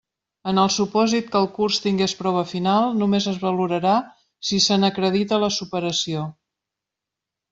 En el supòsit que el curs tingués prova final, només es valorarà si se n'acredita la superació.